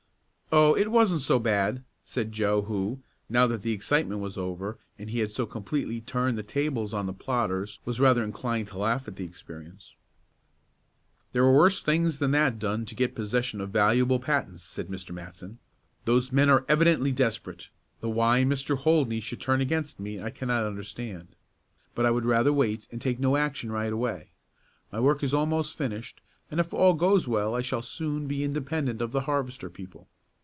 "Oh, it wasn't so bad," said Joe who, now that the excitement was over, and he had so completely turned the tables on the plotters, was rather inclined to laugh at the experience. "There are worse things than that done to get possession of valuable patents," said Mr. Matson. "Those men are evidently desperate, though why Mr. Holdney should turn against me I cannot understand. But I would rather wait, and take no action right away. My work is almost finished and if all goes well I shall soon be independent of the harvester people.